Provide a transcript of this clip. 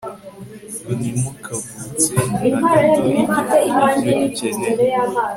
Ntimukavutse na gato igifu ibyo gikeneye